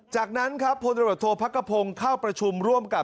จากนั้นครับพลตรวจโทษพักกระพงศ์เข้าประชุมร่วมกับ